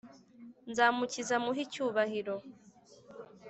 nzamukiza muhe icyubahiro.